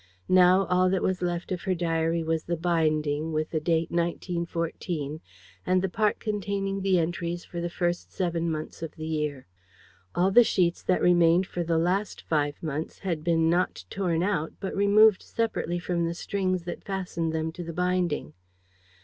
Now all that was left of her diary was the binding, with the date, 1914, and the part containing the entries for the first seven months of the year. All the sheets for the last five months had been not torn out but removed separately from the strings that fastened them to the binding.